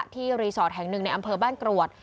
รีสอร์ทแห่งหนึ่งในอำเภอบ้านกรวด